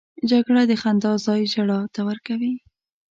جګړه د خندا ځای ژړا ته ورکوي